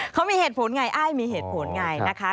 เขามีเหตุผลไงอ้ายมีเหตุผลไงนะคะ